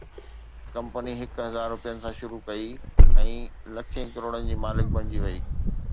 company هڪ هزار روپين سان شروع ڪئي ۽ لکين ڪروڙن جي مالڪ بڻجي وئي